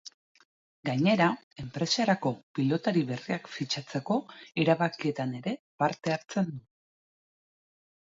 Gainera, enpresarako pilotari berriak fitxatzeko erabakietan ere parte hartzen du.